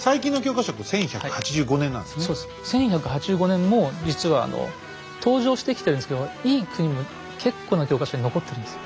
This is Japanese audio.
１１８５年も実は登場してきてるんですけど「いい国」も結構な教科書に残ってるんです。